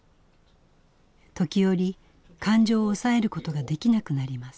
時折感情を抑えることができなくなります。